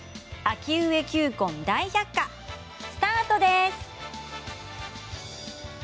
秋植え球根、大百科スタートです。